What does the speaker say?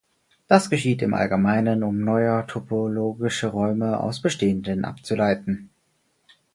Das geschieht im Allgemeinen, um neue topologische Räume aus bestehenden abzuleiten.